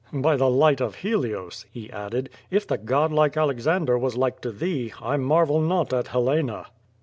"By the light of HeUos," he added, "if the god like Alex ander was like to thee, I marvel not at Helena."